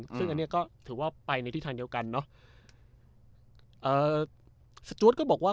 ซึ่งอันนี้ก็ถือว่าไปในทิศทางเดียวกันเนอะเอ่อสจวดก็บอกว่า